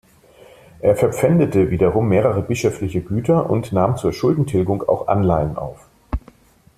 Er verpfändete wiederum mehrere bischöfliche Güter und nahm zur Schuldentilgung auch Anleihen auf.